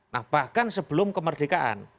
nah bahkan sebelum kemerdekaan